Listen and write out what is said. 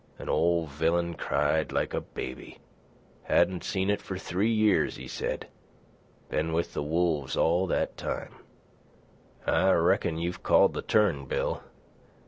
An' Ol' Villan cried like a baby. Hadn't seen it for three years, he said. Ben with the wolves all that time." "I reckon you've called the turn, Bill.